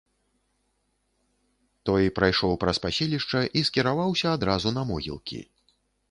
Той прайшоў праз паселішча і скіраваўся адразу на могілкі.